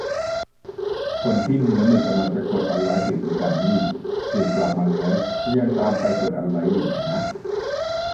คนที่เงื้อมือกำลังจะกดอันไลก์เพจอีจันนี่ เพจกลับมาแล้วจะยังตามไปกดอันไลก์อยู่ไหมนะ